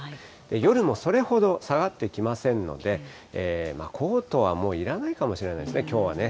夜もそれほど下がってきませんので、コートはもういらないかもしれないですね、きょうはね。